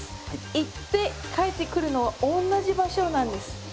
行って帰ってくるのは同じ場所なんです。